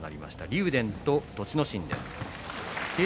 竜電と栃ノ心です。